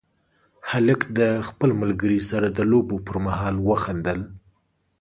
هلک د خپل ملګري سره د لوبو پر مهال وخندل.